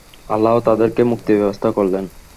আল্লাহ তাদেরকে মুক্তির ব্যবস্থা করলেন।